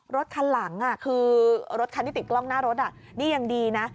รถคันหลังคือรถคันที่ติดกล้องหน้ารถนี่ยังดีนะ